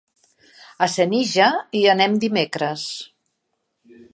A Senija hi anem dimecres.